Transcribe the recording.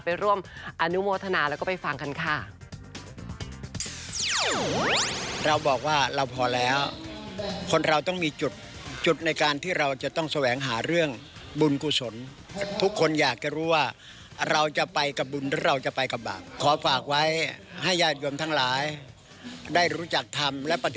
ไปร่วมอนุโมทนาแล้วก็ไปฟังกันค่ะ